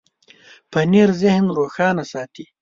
پنېر ذهن روښانه ساتي.